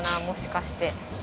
もしかして。